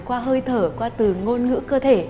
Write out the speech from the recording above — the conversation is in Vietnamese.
qua hơi thở qua từ ngôn ngữ cơ thể